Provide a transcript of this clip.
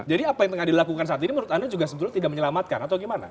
jadi apa yang tengah dilakukan saat ini menurut anda juga tidak menyelamatkan atau gimana